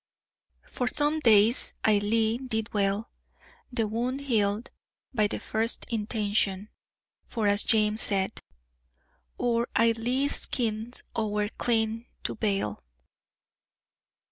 For some days Ailie did well. The wound healed "by the first intention"; for as James said, "Oor Ailie's skin's ower clean to beil."